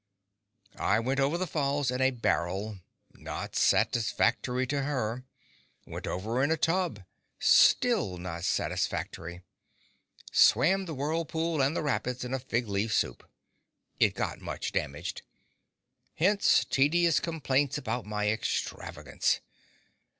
I went over the Falls in a barrel—not satisfactory to her. Went over in a tub—still not satisfactory. Swam the Whirlpool and the Rapids in a fig leaf suit. It got much damaged. Hence, tedious complaints about my extravagance.